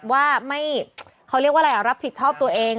ว่าเขาเรียกว่าอะไรอ่ะรับผิดชอบตัวเอง